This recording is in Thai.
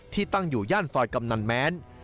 ตั้งอยู่ย่านซอยกำนันแม้น